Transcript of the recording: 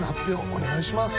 お願いします。